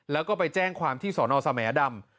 แล้วก็ไปแจ้งความที่สอนอสแหมดำ